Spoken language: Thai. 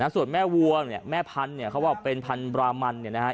ส่วนแม่วัวเนี่ยแม่พันธุ์เนี่ยเขาบอกเป็นพันธรามันเนี่ยนะฮะ